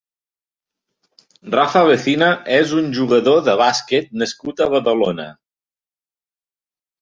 Rafa Vecina és un jugador de bàsquet nascut a Badalona.